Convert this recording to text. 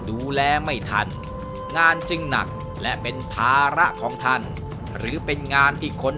ดูแลไม่ทันงานจึงหนักและเป็นภาระของท่านหรือเป็นงานที่คน